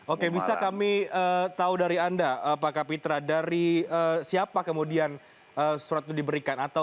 oke bisa kami tahu dari anda pak kapitra dari siapa kemudian surat itu diberikan